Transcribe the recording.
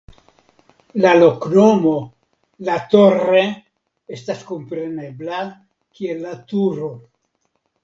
La loknomo "La Torre" estas komprenebla kiel "La Turo".